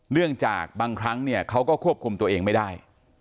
เนื่องจากบางครั้งเนี่ยเขาก็ควบคุมตัวเองไม่ได้